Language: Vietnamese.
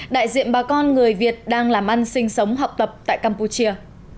đại diện bà con người việt đang làm ăn sinh sống học tập tại campuchia